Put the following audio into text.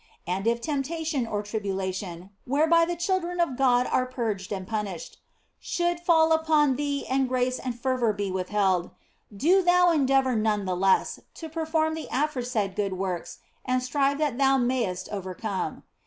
And if temptation or tribulation (whereby the children of God are purged and punished) should fall upon thee and grace and fervour be withheld, do thou endeavour none the less to perform the aforesaid good works and strive that thou mayest overcome.